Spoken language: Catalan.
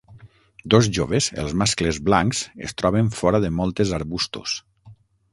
Dos joves, els mascles blancs es troben fora de moltes arbustos.